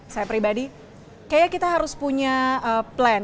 saya pribadi kayaknya kita harus punya plan